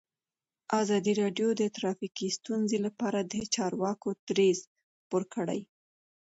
ازادي راډیو د ټرافیکي ستونزې لپاره د چارواکو دریځ خپور کړی.